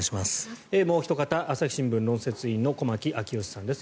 もうおひと方朝日新聞論説委員の駒木明義さんです。